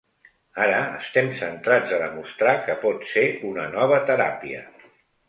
Ara estem centrats a demostrar que pot ser una nova teràpia.